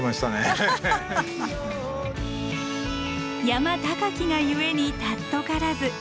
山高きが故に貴からず。